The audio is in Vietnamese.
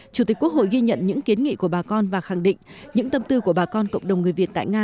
chủ tịch quốc hội ghi nhận những kiến nghị của bà con và khẳng định những tâm tư của bà con cộng đồng người việt tại nga